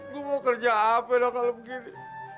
gue mau kerja apa kalau begini